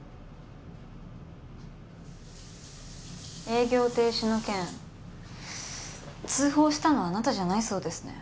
営業停止の件通報したのはあなたじゃないそうですね。